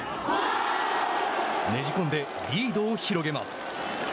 ねじ込んでリードを広げます。